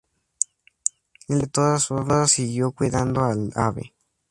El viejo de todas formas siguió cuidando al ave.